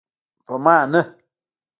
په ما نه.